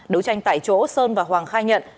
đấu tranh tại chỗ sơn và hoàng khai nhận